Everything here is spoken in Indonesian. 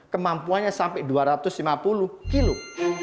kemampuannya sampai dua ratus lima puluh kilo